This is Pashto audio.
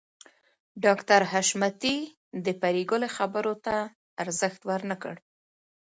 ډاکټر حشمتي د پريګلې خبرو ته ارزښت ورنکړ